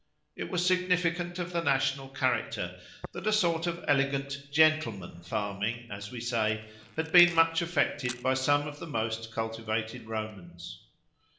It was significant of the national character, that a sort of elegant gentleman farming, as we say, had been much affected by some of the most cultivated Romans.